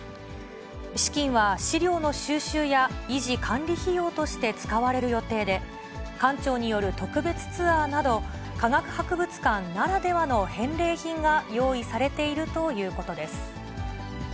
資金は資料の収集や維持管理費用として使われる予定で、館長による特別ツアーなど、科学博物館ならではの返礼品が用意されているということです。